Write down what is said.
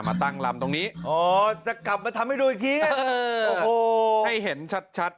มาตั้งลำตรงนี้อ๋อจะกลับมาทำให้ดูอีกทีโอ้โหให้เห็นชัด